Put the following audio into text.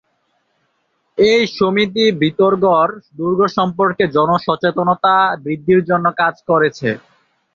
এই সমিতি ভিতরগড় দুর্গ সম্পর্কে জনসচেতনতা বৃদ্ধির জন্য কাজ করছে।